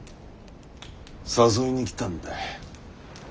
誘いに来たんだ。